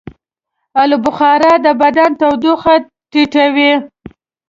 آلوبخارا د بدن تودوخه ټیټوي.